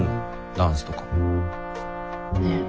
ダンスとか。ね。